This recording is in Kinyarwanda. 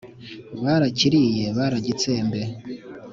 barakiriye baragitsembe